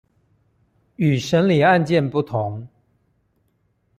與審理案件不同